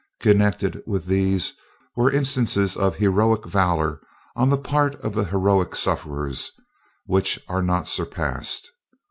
Connected with these were instances of heroic valor on the part of the heroic sufferers, which are not surpassed.